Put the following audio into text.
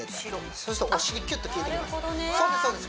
そうするとお尻キュッときいてきますそうです